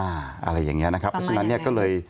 อะไรอย่างนี้นะครับเช่นนั้นก็เลย